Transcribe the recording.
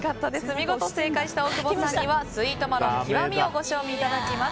見事正解した大久保さんにはスイートマロン極をご賞味いただきます。